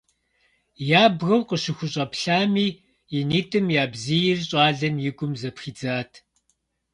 Ябгэу къыщыхущӏэплъами а нитӏым я бзийр щӏалэм и гум зэпхидзат.